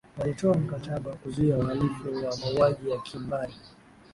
walitoa mkataba wa kuzuia uhalifu wa mauaji ya kimbari